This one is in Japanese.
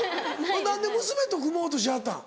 何で娘と組もうとしはったん？